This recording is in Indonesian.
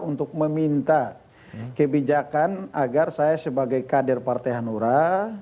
untuk meminta kebijakan agar saya sebagai kader partai hanura